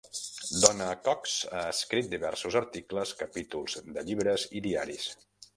Donna Cox ha escrit diversos articles, capítols de llibres i diaris.